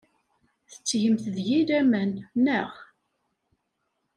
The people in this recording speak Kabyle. Tettgemt deg-i laman, naɣ?